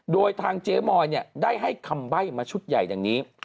โดยทางเจ๊มอยได้ให้คำใบ้มาชุดใหญ่อย่างนี้